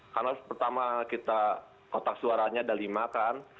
karena pertama kita kotak suaranya ada lima kan